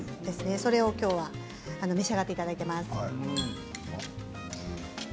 それをきょうは召し上がっていただきます。